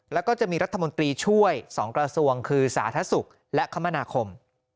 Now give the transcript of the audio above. แล้วก็จะมีรัฐมนตรีช่วย๒กระทรวงคือสาธารณสุขและคมนาคม